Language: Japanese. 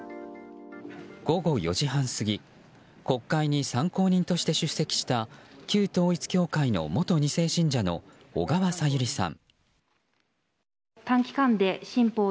午後４時半過ぎ国会に参考人として出席した旧統一教会の元２世信者の小川さゆりさん。